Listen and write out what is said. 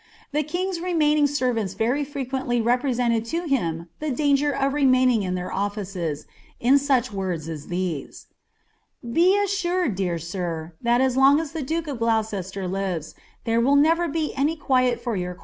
The king's remaining I'lvmits very frequently represented to him the danger of reniaining tn :liL'ir ollices, in such words as these: ■' Be assured, dear sir, that as long as the duke of Gloucester lives, 'iicre wdl never be any quiet for your